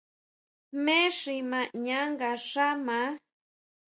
¿Jmé xi ma ñaʼán nga xá maá.